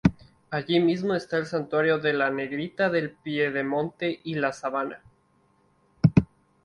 Allí mismo está el Santuario de la "Negrita del Piedemonte y la Sabana".